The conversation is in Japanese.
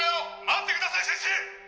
「待ってください先生！」